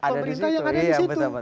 pemerintah yang ada disitu